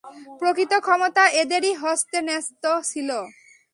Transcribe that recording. প্রকৃত ক্ষমতা এঁদেরই হস্তে ন্যস্ত ছিল।